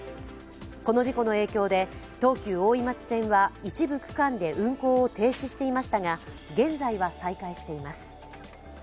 この事故の影響で東急大井町線は一部区間で運行を停止していましたが現在は、再開しています。